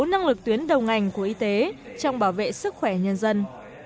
năng lực tuyến đầu ngành của y tế trong bảo vệ sức khỏe nhân dân